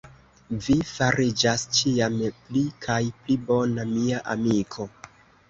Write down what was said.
Vi fariĝas ĉiam pli kaj pli bona, mia amiko.